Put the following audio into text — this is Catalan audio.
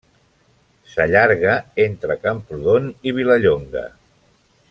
S'allarga entre Camprodon i Vilallonga.